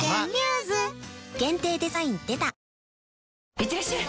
いってらっしゃい！